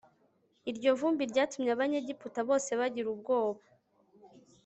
iryo vumbi ryatumye abanyegiputa bose bagira ubwoba